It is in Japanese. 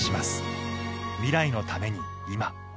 未来のために今。